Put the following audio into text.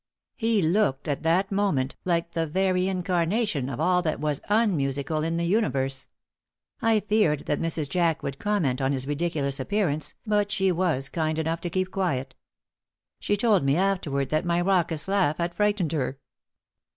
He looked at that moment like the very incarnation of all that was unmusical in the universe. I feared that Mrs. Jack would comment on his ridiculous appearance, but she was kind enough to keep quiet. She told me afterward that my raucous laugh had frightened her.